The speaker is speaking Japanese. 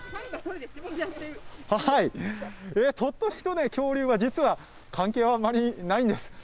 鳥取と恐竜は、実は関係はあまりないんです。